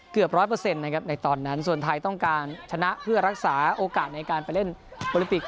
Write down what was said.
เกือบร้อยเปอร์เซ็นต์นะครับในตอนนั้นส่วนไทยต้องการชนะเพื่อรักษาโอกาสในการไปเล่นโอลิมปิก